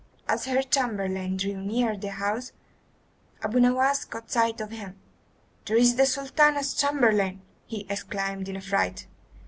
As her chamberlain drew near the house, Abu Nowas caught sight of him. "There is the Sultana's chamberlain," he exclaimed in a fright.